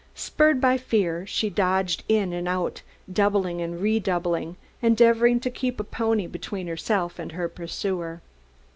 Spurred by fear, she dodged in and out, doubling and redoubling, endeavoring to keep a pony between herself and her pursuer.